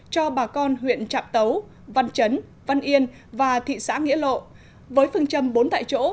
cho bà con huyện trạm tấu văn chấn văn yên và thị xã nghĩa lộ với phương châm bốn tại chỗ